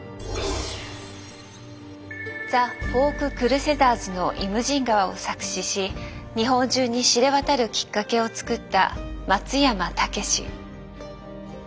ザ・フォーク・クルセダーズの「イムジン河」を作詞し日本中に知れ渡るきっかけを作った松山猛。